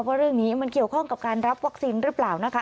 ว่าเรื่องนี้มันเกี่ยวข้องกับการรับวัคซีนหรือเปล่านะคะ